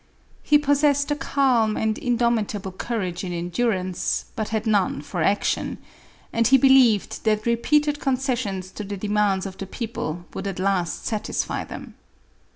He possessed a calm and indomitable courage in endurance, but had none for action, and he believed that repeated concessions to the demands of the people would at last satisfy them.